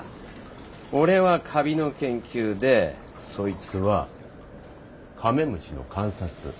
俺はカビの研究でそいつはカメムシの観察。